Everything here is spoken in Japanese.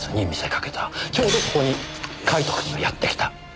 ちょうどそこにカイトくんがやって来た。